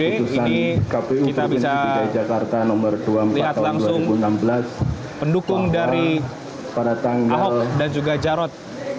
ini kita bisa lihat langsung pendukung dari ahok dan juga jarot